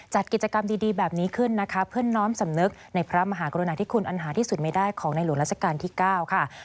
ก็คงคิดว่าแค่ความจริงจะต้องได้แค่ละบทเพลงเป็นแค่ส่วนที่เราจะทำด้วยความจริงให้กลับมา